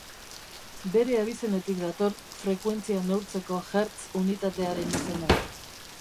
Bere abizenetik dator Frekuentzia neurtzeko hertz unitatearen izena.